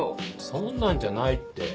そんなんじゃないって。